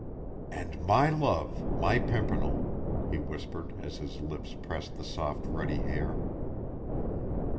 "And my love, my Pimpernel!" he whispered as his lips pressed the soft, ruddy hair.